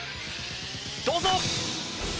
どうぞ！